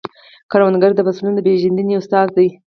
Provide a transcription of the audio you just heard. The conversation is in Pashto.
کروندګر د فصلونو د پیژندنې استاد دی